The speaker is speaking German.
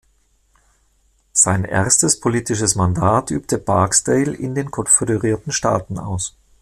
Sein erstes politisches Mandat übte Barksdale in den Konföderierten Staaten aus.